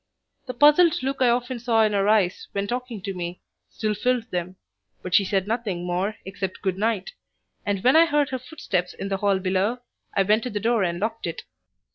The puzzled look I often saw in her eyes when talking to me still filled them, but she said nothing more except good night, and when I heard her footsteps in the hall below I went to the door and locked it.